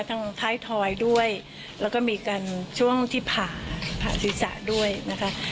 ทั้งท้ายทอยด้วยแล้วก็มีการช่วงที่ผ่าผ่าศีรษะด้วยนะคะ